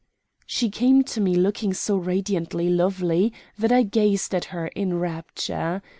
She came to me looking so radiantly lovely that I gazed at her in rapture.